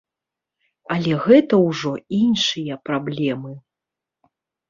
Але гэта ўжо іншыя праблемы.